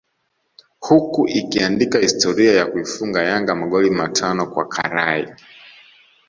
huku ikiandika historia ya kuifunga Yanga magoli matano kwa karai